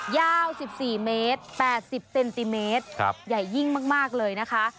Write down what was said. ยาว๑๔เมตร๘๐เซนติเมตรใหญ่ยิ่งมากเลยนะคะ